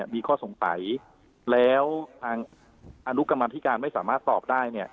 มีข้อสงสัยแล้วทางอนุกรรมธิการไม่สามารถตอบได้